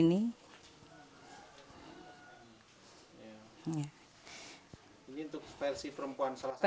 ini untuk versi perempuan